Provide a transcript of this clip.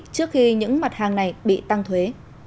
trước khi những mặt hàng này bị tăng thuế